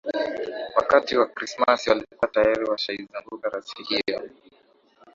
Wakati wa Krismasi walikuwa tayari washaizunguka rasi hiyo